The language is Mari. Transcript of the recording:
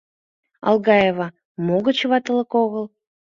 — Алгаева мо гыч ватылык огыл?